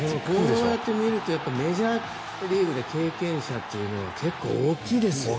こうやって見るとメジャーリーグで経験者というのは結構大きいですよね。